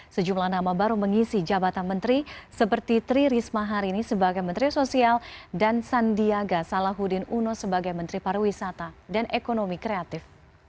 sejumlah nama baru mengisi jabatan menteri seperti tri risma hari ini sebagai menteri sosial dan sandiaga salahuddin uno sebagai menteri pariwisata dan ekonomi kreatif